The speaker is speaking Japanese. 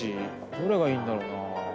どれがいいんだろうな。